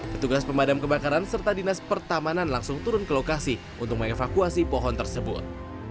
petugas pemadam kebakaran serta dinas pertamanan langsung turun ke lokasi untuk mengevakuasi pohon tersebut